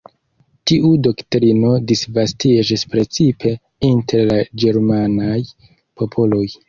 Tiu doktrino disvastiĝis precipe inter la ĝermanaj popoloj.